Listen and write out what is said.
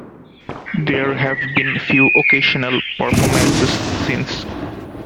There have been few occasional performances since.